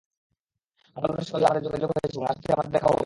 মঙ্গলবার সকালেই আমাদের যোগাযোগ হয়েছে এবং আশা করছি আমাদের দেখাও হবে।